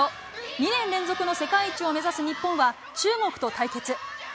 ２年連続の世界一を目指す日本は中国と対決。